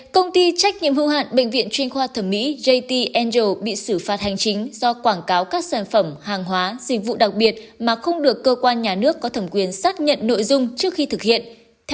các bạn hãy đăng ký kênh để ủng hộ kênh của chúng mình nhé